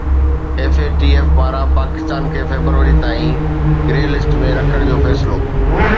F A T F پاران پاڪستان کي February تائين گري لسٽ ۾ رکڻ جو فيصلو